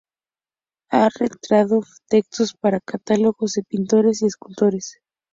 Ha redactado textos para catálogos de pintores y escultores.